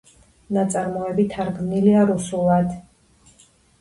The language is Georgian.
ნაწარმოები თარგმნილია რუსულად.